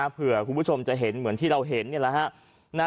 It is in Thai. คุณผู้ชมจะเห็นเหมือนที่เราเห็นนี่แหละฮะ